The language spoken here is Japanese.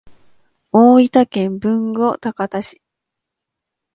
大分県豊後高田市